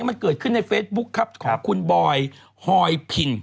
มันเกิดขึ้นในเฟซบุ๊คครับของคุณบอยฮอยพิน